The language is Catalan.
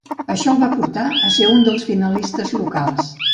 Això el va portar a ser un dels finalistes locals.